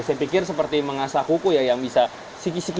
saya pikir seperti mengasah kuku ya yang bisa sikit siki